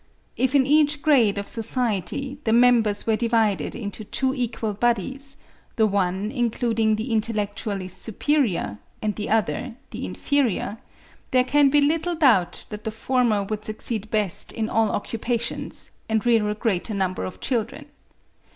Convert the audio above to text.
If in each grade of society the members were divided into two equal bodies, the one including the intellectually superior and the other the inferior, there can be little doubt that the former would succeed best in all occupations, and rear a greater number of children.